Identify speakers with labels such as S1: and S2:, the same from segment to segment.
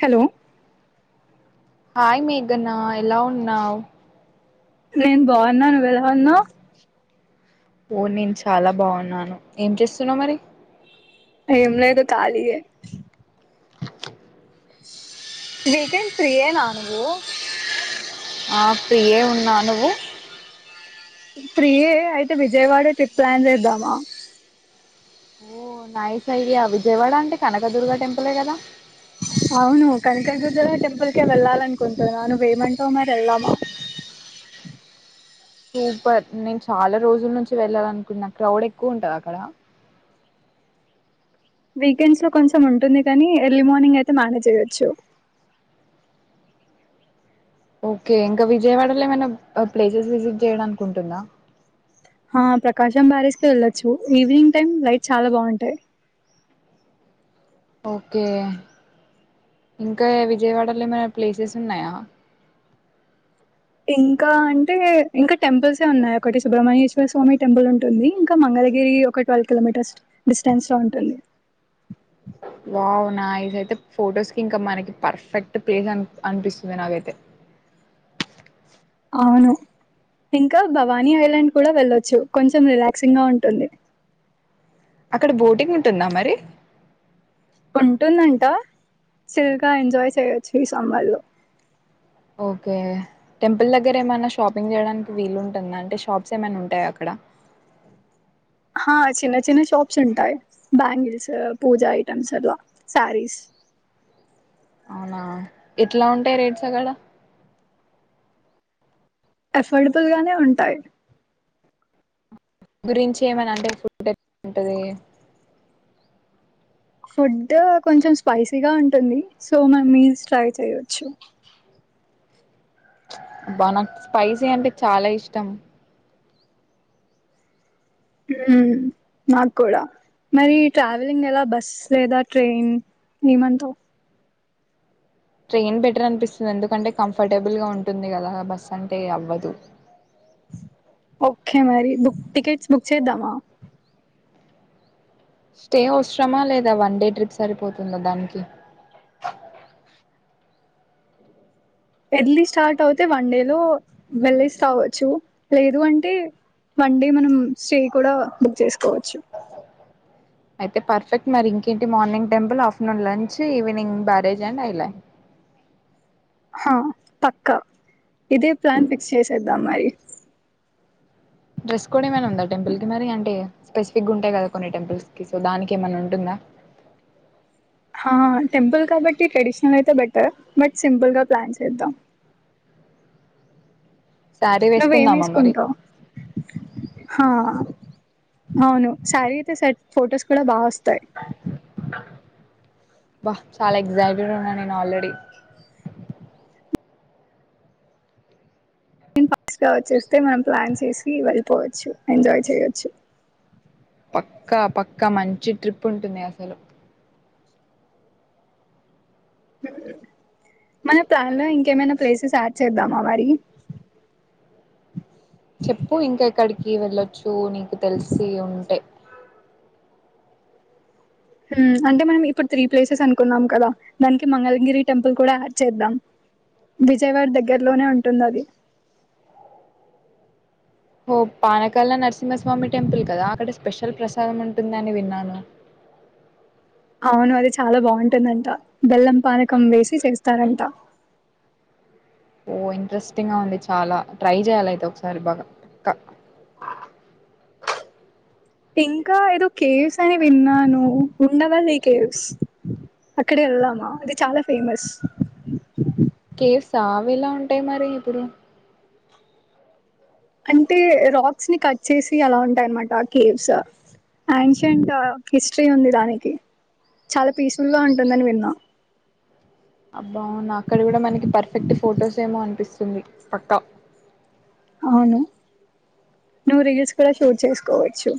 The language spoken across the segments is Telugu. S1: హలో
S2: హాయ్ మేగనా ఎలా ఉన్నావు
S1: నేను బాగున్నా నువ్వు ఎలా ఉన్నావ్
S2: ఓ నేను చాలా బాగున్నాను ఏం చేస్తున్నావు మరి
S1: ఏం లేదు ఖాళీయే వీకెండ్ ఫ్రీయేనా నువ్వు
S2: ఆఫ్రిఎ ఉన్నా నువ్వు
S1: ఫ్రీ యే అయితే విజయవాడ ట్రిప్ ప్లాన్ చేద్దామా
S2: నాయిస్ఐడియా విజయవాడ అంటే కనకదుర్గ టెంపులే కదా
S1: అవును కనకదుర్గ టెంపుల్కే వెళ్లాలి అనుకుంటున్నా నువ్వు ఏమంటావు మరి వెళ్దామా
S2: సూపర్ నేను చాలా రోజుల నుంచి వెళ్ళాల అనుకుంటున్నా క్రౌడ్ ఎక్కువ ఉంటద అక్కడ
S1: వీకెండ్స్ లో కొంచెం ఉంటుంది కానీ ఎర్లీ మార్నింగ్ అయితే మేనేజ్ చేయొచ్చు
S2: ఓకే ఇంకా విజయవాడలో ఏమైనా ప్లేసెస్ విజిట్ చేయడానీకీ ఉంటుందా
S1: ఆ ప్రకాశం బ్యారేజ్కి వెళ్ళొచ్చు ఈవినింగ్ టైమ్ లైట్ చాలా బాగుంటాయి
S2: ఓకే ఇంకా విజయవాడలో ఏమైనా ప్లేసెస్ ఉన్నాయా
S1: ఇంకా అంటే ఇంకా టెంపుల్సే ఉన్నాయి ఒకటి సుబ్రహ్మణ్యేశ్వర స్వామి టెంపుల్ ఉంటుంది ఇంకా మంగళగిరి ఒక ట్వల్వ్ కిలోమీటర్స్ డిస్టెన్స్ లో ఉంటుంది
S2: వావ్ నైస్ అయితే ఫొటోస్ కి ఇంకా మనకి పర్ఫెక్ట్ ప్లేస్ అన్ అనిపిస్తుంది నాకైతే
S1: అవును ఇంకా భవానీ ఐలాండ్ కూడా వెళ్ళొచ్చు కొంచెం రిలాక్సింగ్ గా ఉంటుంది
S2: అక్కడ బోటింగ్ ఉంటుందా మరి
S1: ఉంటుందంట చిల్గా ఎంజాయ్ చేయొచ్చు ఈ సమ్మర్లో
S2: ఓకే టెంపుల్ దగ్గర ఏమైనా షాపింగ్ చేయడానికి వీలు ఉంటుందా అంటే షాప్స్ ఏమైనా ఉంటాయా అక్కడ
S1: చిన్న చిన్న షాప్స్ ఉంటాయి బ్యాంగిల్స్ పూజ ఐటమ్స్ అట్లా శారీస్ అ
S2: అవునా ఎట్లా ఉంటాయి రేట్స్ అక్కడ
S1: ఎఫోర్డబుల్ గానే ఉంటాయి
S2: గురించి ఏమనా అంటే ఫుడ్ ఎట్లా ఉంటది
S1: ఫుడ్ కొంచెం స్పైసీగా ఉంటుంది సో మన మీల్స్ ట్రై చేయచ్చు [inaudible]
S2: అబ్బా నాకు స్పైసీ అంటే చాలా ఇష్టం
S1: నాక్కూడా మరి ట్రావెలింగ్ ఏలా బస్ లేదా ట్రైన్ ఏమంటావు
S2: ట్రైన్ బెటర్ అనిపిస్తుంది ఎందుకంటే కంఫర్టబుల్గా ఉంటుంది కదా బస్ అంటే అవ్వదు
S1: ఓకే మరి బుక్ టికెట్స్ బుక్ చేద్దామా
S2: స్టే అవసరమా లేదా వన్ డే ట్రిప్ సరిపోతుందా దానికి
S1: [inaudible] ఎర్లి స్టార్ట్ అవుతే వన్ డే లో వెళ్లేసి రావచ్చు లేదు అంటే వన్ డే మనం స్టే కూడా బుక్ చేసుకోవచ్చు
S2: అయితే పర్ఫెక్ట్ మరి ఇంకేంటి morning temple afternoon lunch evening barrage and island
S1: పక్కా ఇదే ప్లాన్ ఫిక్స్ చేసేద్దాం మరి
S2: డ్రెస్ కోడ్ ఏమైనా ఉందా టెంపుల్ కి మరి అంటే స్పెసిఫిక్గా ఉంటాయి కదా కొన్ని టెంపుల్స్ కి సో దానికి ఏమన్నా ఉంటుందా
S1: టెంపుల్ కాబట్టి ట్రెడిషనల్ అయితే బెటర్ బట్ సింపుల్ గా ప్లాన్ చేద్దాం
S2: శారీ
S1: నువ్వేం
S2: వేసుకుందామా మరి
S1: వేసుకుంటావు హా అవును సారీ అయితే సెట్ ఫొటోస్ కూడా బాగా వస్తాయి
S2: వా చాలా ఎక్సైటెడ్ గా ఉన్నా నేను ఆల్రెడీ
S1: వచ్చేస్తే మనం ప్లాన్ చేసి వెళ్ళిపోవచ్చు ఎంజాయ్ చేయొచ్చు
S2: పక్కా పక్క మంచి ట్రిప్ ఉంటుంది అసలు
S1: మన ప్లాన్ లో ఇంకేమైనా ప్లేసెస్ యాడ్ చేద్దామా వరి
S2: చెప్పు ఇంకా ఎక్కడికి వెళ్ళొచ్చు నీకు తెలిసి ఉంటే
S1: అంటే మనం ఇప్పుడు త్రీ ప్లేసెస్ అనుకున్నాం కదా దానికి మంగళగిరి టెంపుల్ కూడా యాడ్ చేద్దాం విజయవాడ దగ్గరలోనే ఉంటుంది అది
S2: ఓ పానకాల నరసింహస్వామి టెంపుల్ కదా అక్కడ స్పెషల్ ప్రసాదం ఉంటుందని విన్నాను
S1: [inaudible] అవును అది చాలా బాగుంటుందంట బెల్లం పానకం వేసి చేస్తారంట [inaudible]
S2: ఓ ఇంట్రెస్టింగ్ గా ఉంది చాలా ట్రై చేయాలయితే ఒకసారి బాగా పక్క
S1: [inaudible] ఇంకా ఏదో కేవ్స్ అని విన్నాను ఉండవి కేవ్స్ అక్కడే వెళ్దామా అది చాలా ఫేమస్
S2: కవ్స్ స అవి ఇలా ఉంటాయి మరి ఇప్పుడు
S1: అంటే రాక్స్ ని కట్ చేసి అలా ఉంటాయ అన్నమాట కేవ్స్ న్షింట్ హిస్టరీ ఉంది దానికి చాలా పీస్ఫుల్ గా ఉంటుందని విన్నాం
S2: అబ్బా నా అక్కడ కూడా మనకి పర్ఫెక్ట్ ఫొటోస్ ఏమో అనిపిస్తుంది పక్కా
S1: అవును నువ్వు రీల్స్ కూడా షూట్ చేసుకోవచ్చు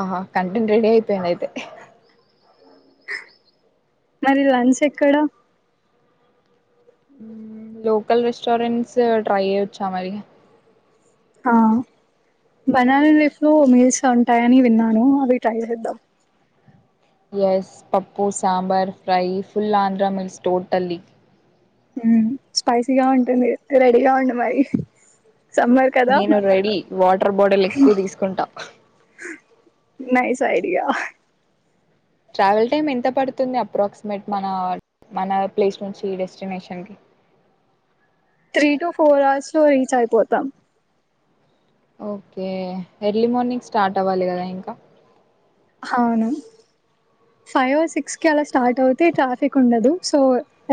S2: ఆహా కంటెంట్ రెడి అయిపోయింది అయితే
S1: మరి లంచ్ ఎక్కడ
S2: లోకల్ రెస్టారెంట్స్ ట్రై చేయ్యొచ్చా మరి
S1: ఆ బనాల లీఫ్ లో మీల్స్ ఉంటాయని విన్నాను అవి ట్రై చేద్దాం
S2: ఎస్ పప్పు sambar fry full Andhra meals totally
S1: hmm స్పైసీగా ఉంటుంది రెడీగా ఉండి మరి సమ్మర్ కదా
S2: నేను రెడీ వాటర్ బాటిల్ ఎక్కువ తీసుకుంటా
S1: నైస్ ఐడియా
S2: ట్రావెల్ టైమ్ ఎంత పడుతుంది అప్రాక్సిమేట్ మన మన ప్లేస్ నుంచి డెస్టినేషన్ కి
S1: త్రీ టూ ఫోర్ అవర్స్ లో రీచ్ అయిపోతాం
S2: ఓకే ఎర్లీ మార్నింగ్ స్టార్ట్ అవ్వాలి కదా ఇంకా
S1: అవును ఫైవ్ ఆర్ సిక్స్ కి అలా స్టార్ట్ అవుతే ట్రాఫిక్ ఉండదు సో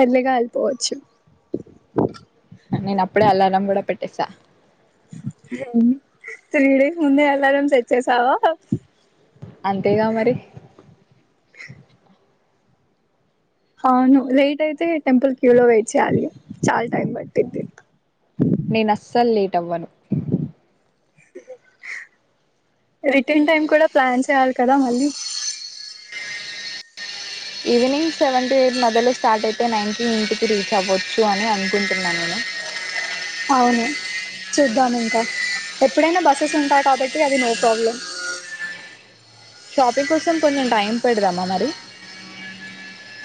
S1: ఎర్లీగా వెళ్ళిపోవచ్చు [inaudible]
S2: నేను అప్పుడే అల్లారం కూడా పెట్టేశా
S1: త్రీడేస్ ముందే అల్లారం సెట్ చేసావా
S2: అంతేగా మరి
S1: అవును లేట్ అయితే టెంపుల్ క్యూ లో వెయిట్ చేయాలి చాలా టైం పట్టిద్ది
S2: నేను అస్సలు లేట్ అవ్వను
S1: రిటర్న్ టైమ్ కూడా ప్లాన్ చేయాలి కదా మళ్ళీ [inaudible]
S2: ఈవినింగ్ సెవెన్ టు ఎయిట్ మద్యలో స్టార్ట్ అయితే నైన్ కి ఇంటికి రీచ్ అవ్వచ్చు అని అనుకుంటున్నా నేను
S1: [inaudible] అవును చూద్దాం ఇంకా ఎప్పుడైనా బస్సెస్ ఉంటాయి కాబట్టి అది నో ప్రాబ్లం
S2: షాపింగ్ కోసం కొంచెం టైం పెడదామా మరి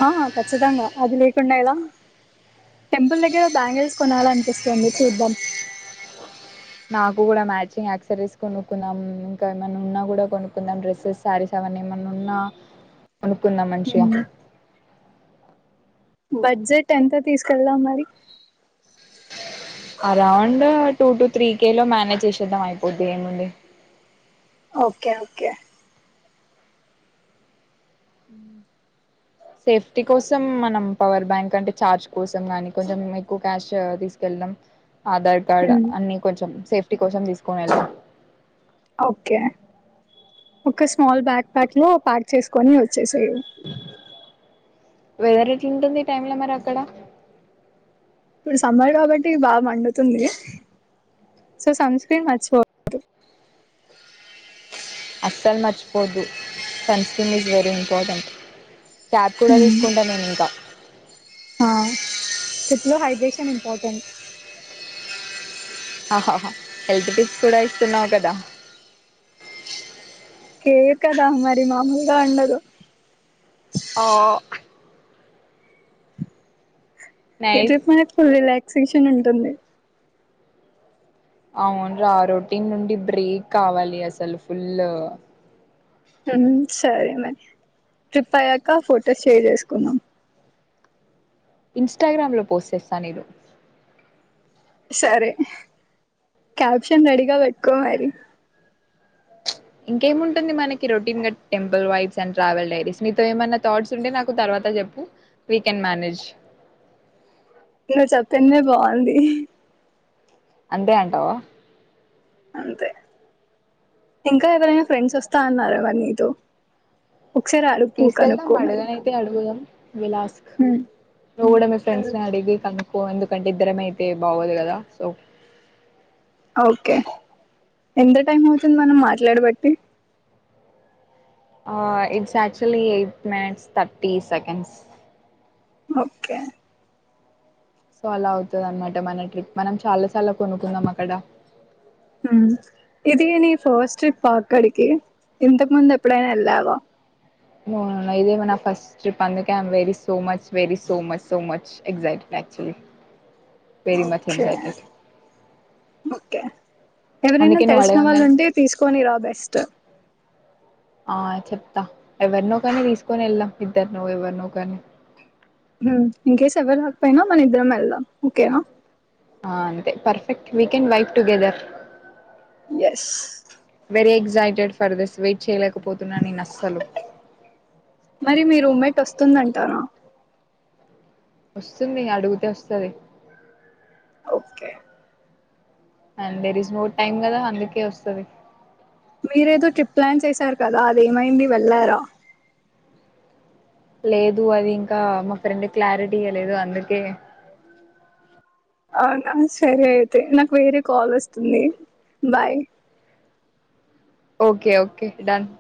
S1: అహా ఖచ్చితంగా అది లేకుండా ఎలా టెంపుల్ దగ్గర బ్యాంగిల్స్ కొనాలనిపిస్తుంది చూద్దాం
S2: నాకు కూడా మ్యాచింగ్ ఆక్సరీస్ కొనుక్కుందాం ఇంకా ఏమైనా ఉన్నా కూడా కొనుక్కుందాం డ్రస్సెస్ శారీస్ మనేమన్నా ఉన్నా కొనుకుందాం మంచిగా
S1: మ్మ్. [inaudible] బడ్జెట్ ఎంత తీసుకెళ్దాం మరి
S2: around two to three K లో మేనేజ్ చేసేద్దాం అయిపోద్ది ఏముంది
S1: ఓకే ఓకే
S2: సేఫ్టీ కోసం మనం పవర్ బ్యాంక్ అంటే ఛార్జ్ కోసం కానీ కొంచెం ఎక్కువ క్యాష్ తీసుకెళ్ ల్దం ఆధార్ కార్డ్
S1: మ్మ్
S2: అన్ని కొంచెం సేఫ్ కోసం తీసుకోని వెళ్దాం
S1: ఓకే ఒక స్మాల్ బ్యాగ్ ప్యాక్ లో ప్యాక్ చేసుకొని వచ్చేసెయి
S2: వెదర్ ఎట్లుంటుంది ఈ టైమ్ లో మరి అక్కడ
S1: ఇప్పుడు సమ్మర్ కాబట్టి బాగా మండుతుంది సో సన్ స్క్రీన్ మర్చిపోవద్దు
S2: అస్సలు మర్చిపోవద్దు sunscreen is very important cap కూడా
S1: మ్మ్.
S2: తీసుకుంట నేను ఇంకా
S1: ఆ ట్రిప్ లో హైడ్రేషన్ ఇంపార్టెంట్
S2: హాహహ హెల్త్ టిప్స్ కూడా ఇస్తున్నావు కదా
S1: కేర్ కదా మరి మామూలుగా ఉండదు
S2: ఆ
S1: ఈ
S2: నైస్
S1: ట్రిప్ మనకి ఫుల్ రిలాక్సేషన్ ఉంటుంది
S2: అవును రా రొటీన్ నుండి బ్రేక్ కావాలి అసలు ఫుల్ల్
S1: హుం సరే మరి ట్రిప్ అయ్యాక ఫొటోస్ షేర్ చేసుకుందాం
S2: ఇన్స్టాగ్రామ్ లో పోస్ట్ చేస్తా నేను
S1: సరే క్యాప్షన్ రెడీగా పెట్టుకో మరి [inaudible]
S2: ఇంకేముంటుంది మనకి రొటీన్గా temple vibes and travel diaries మీతో ఏమన్న థాట్స్ ఉంటే నాకు తర్వాత చెప్పు వి కెన్ మానేజ్
S1: నువ్వు చెప్పిందే బాగుంది
S2: అంతే అంటవా
S1: అంతే ఇంకా ఎవరైనా ఫ్రెండ్స్ వస్తా అన్నారా మరి నీతో ఒకసారి అడుగు
S2: తీసుకెళ్దాం
S1: కనుక్కో మరి
S2: అడుగనైతే అడుగుదాం విల్ ఆస్క్
S1: హ్మ్
S2: నువ్వు కూడా మీ ఫ్రెండ్స్ ని అడిగి కనుక్కో ఎందుకంటే ఇద్దరమే అయితే బాగోదు కదా సో
S1: ఓకే ఎంత టైం అవుతుంది మనం మాట్లాడబట్టి
S2: ఆ it's actually eight minutes thirty seconds
S1: okay
S2: so అలా అవుతది అన్నమాట మన ట్రిప్ మనం చాలాసేపు చాలా కొనుక్కుందాం అక్కడ
S1: హ్మ్ ఇది నీ ఫస్ట్ ట్రిప్ ఆ అక్కడికి ఇంతకు ముందు ఎప్పుడైనా వెళ్ళావా
S2: ఆ ఇదే మన ఫస్ట్ ట్రిప్ అందుకే very so much very so much so much excitement actually very much
S1: okay
S2: excited
S1: okay ఎవరైనా
S2: అందుకే నువ్వు
S1: తెలిసిన వాళ్ళు
S2: అడగంగానే
S1: ఉంటే తీసుకొని రా బెస్ట్
S2: ఆ చెప్తా ఎవరినో ఒకరిని తీసుకొని వెళ్దాం ఇద్దర్నో ఎవరినో ఒకరిని
S1: ఇన్ కేస్ ఎవరు రాకపోయినా మన ఇద్దరం వెళ్దాం ఓకేనా
S2: అంతే perfect we can vibe together
S1: yes
S2: very excited for this wait చేయలేక పోతున్నా నేనస్సలు
S1: తుందంటారా
S2: వస్తుంది అడుగుతే వస్తది
S1: okay
S2: and there is more time కదా అందుకే వస్తది
S1: మీరేదో ట్రిప్ ప్లాన్ చేసారు కదా అది ఏమైంది వెళ్లారా
S2: లేదు అది ఇంకా మా ఫ్రెండ్ క్లారిటిగా లేదు అందుకే
S1: అవునా సరే అయితే నాకు వేరే కాల్ వస్తుంది బాయ్
S2: ఓకే ఓకే డన్